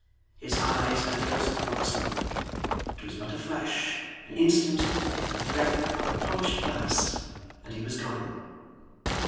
His eyes met those of the locksmith. It was but a flash, an instant, a breath upon a polished glass, and he was gone.